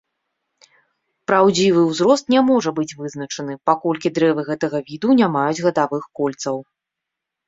Праўдзівы ўзрост не можа быць вызначаны, паколькі дрэвы гэтага віду не маюць гадавых кольцаў.